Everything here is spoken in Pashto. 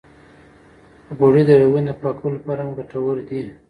غوړې د رګونو د پاکولو لپاره هم ګټورې دي.